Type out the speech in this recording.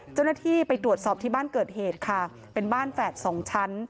เจ้าหน้าที่ไปตรวจสอบที่บ้านเกิดเหตุค่ะเป็นบ้านแฝดสองชั้น